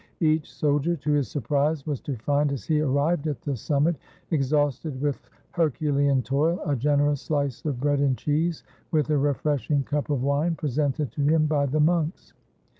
Each soldier, to his surprise, was to find, as he arrived at the summit, exhausted with herculean toil, a generous slice of bread and cheese, with a refreshing cup of wine, presented to him by the monks.